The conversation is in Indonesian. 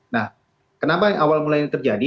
nah kenapa awal mulai ini terjadi